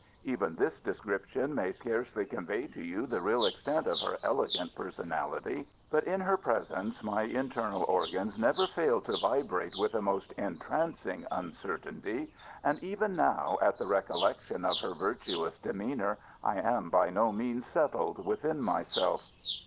Even this description may scarcely convey to you the real extent of her elegant personality; but in her presence my internal organs never failed to vibrate with a most entrancing uncertainty, and even now, at the recollection of her virtuous demeanour, I am by no means settled within myself.